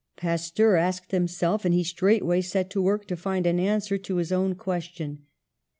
Pasteur asked himself, and he straightway set to work to find an answer to his own question.